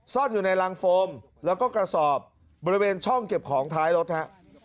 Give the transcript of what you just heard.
ซ่อนอยู่ในรังโฟมแล้วก็กระสอบบริเวณช่องเก็บของท้ายรถฮะ